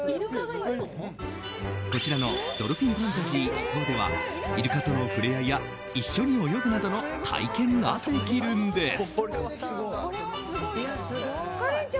こちらのドルフィンファンタジー伊東ではイルカの触れ合いや一緒に泳ぐなどの体験ができるんです。